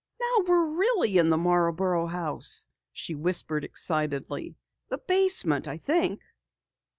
"Now we're really in the Marborough house!" she whispered excitedly. "The basement, I think."